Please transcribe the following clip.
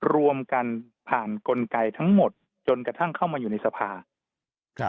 รวมกันผ่านกลไกทั้งหมดจนกระทั่งเข้ามาอยู่ในสภาครับ